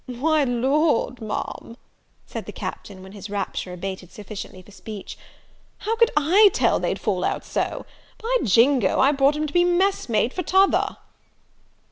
"Why Lord, Ma'am," said the Captain, when his rapture abated sufficiently for speech, "how could I tell they'd fall out so? By jingo, I brought him to be a messmate for t'other."